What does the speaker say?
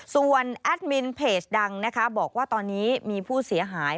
ส่วนแอดมินเพจดังนะคะบอกว่าตอนนี้มีผู้เสียหาย